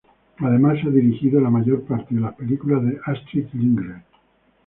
Él además ha dirigido la mayor parte de las películas de Astrid Lindgren.